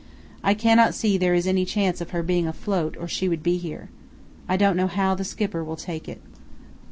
I cannot see there is any chance of her being afloat or she would be here. I don't know how the Skipper will take it.